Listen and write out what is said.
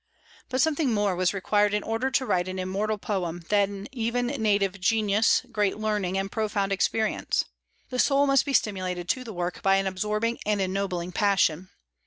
But something more was required in order to write an immortal poem than even native genius, great learning, and profound experience. The soul must be stimulated to the work by an absorbing and ennobling passion.